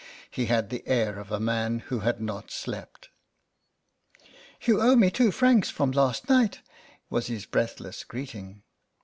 He had the air of a man who had not slept. " You owe me two francs from last night," was his breathless greeting.